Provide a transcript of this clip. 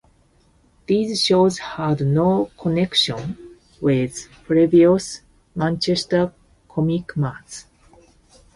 These shows had no connection with previous Manchester comic marts.